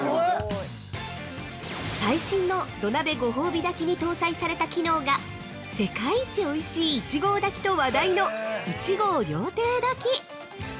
◆最新の土鍋ご泡火炊きに搭載された機能が世界一おいしい１合炊きと話題の一合料亭炊き。